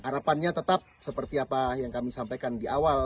harapannya tetap seperti apa yang kami sampaikan di awal